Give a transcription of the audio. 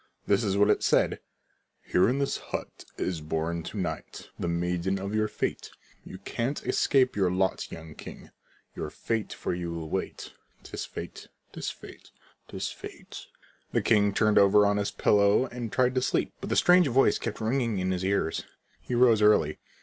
This is what it said: "Here in this hut is born to night The maiden of your fate: You can't escape your lot, young king; Your fate for you will wait. 'Tis fate 'tis fate 'tis fate." The king turned over on his pillow and tried to sleep, but the strange voice kept ringing in his ears. He rose early.